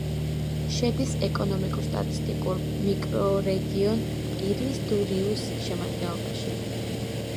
შედის ეკონომიკურ-სტატისტიკურ მიკრორეგიონ პირის-დუ-რიუს შემადგენლობაში.